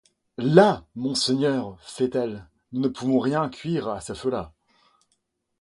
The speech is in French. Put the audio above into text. Las! mon seigneur, feit-elle, nous ne pouvons rien cuyre à ce feu là...